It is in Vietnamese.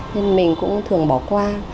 nên mình cũng thường bỏ qua